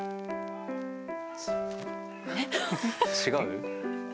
違う？